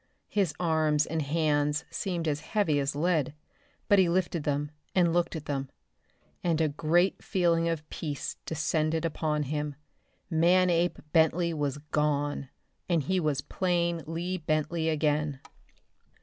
His arms and hands seemed as heavy as lead, but he lifted them and looked at them and a great feeling of peace descended upon him. Manape Bentley was gone, and he was plain Lee Bentley again.